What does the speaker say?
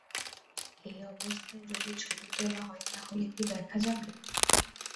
এ অবস্থায় যদি ছবি তোলা হয়, তাহলে কী দেখা যাবে?